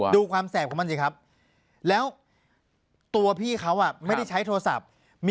ดูความแสบของมันสิครับแล้วตัวพี่เขาไม่ได้ใช้โทรศัพท์